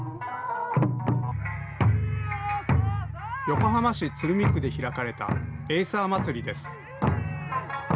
横浜市鶴見区で開かれたエイサー祭りです。